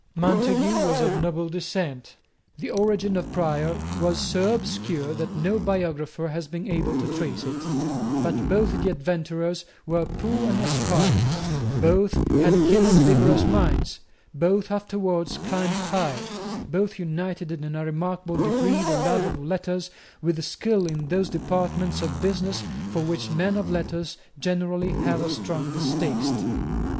Montague was of noble descent: the origin of Prior was so obscure that no biographer has been able to trace it: but both the adventurers were poor and aspiring; both had keen and vigorous minds; both afterwards climbed high; both united in a remarkable degree the love of letters with skill in those departments of business for which men of letters generally have a strong distaste.